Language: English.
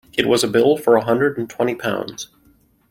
It was a bill for a hundred and twenty pounds.